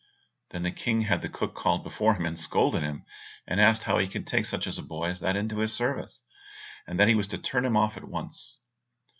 Then the King had the cook called before him and scolded him, and asked how he could take such a boy as that into his service; and that he was to turn him off at once.